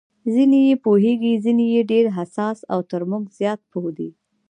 ځینې یې پوهېږي، ځینې یې ډېر حساس او تر موږ زیات پوه دي.